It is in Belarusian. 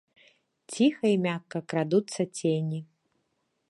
Ціха і мякка крадуцца цені.